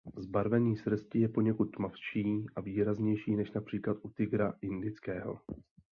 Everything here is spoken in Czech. Zbarvení srsti je poněkud tmavší a výraznější než například u tygra indického.